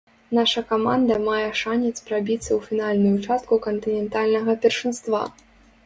Наша каманда мае шанец прабіцца ў фінальную частку кантынентальнага першынства.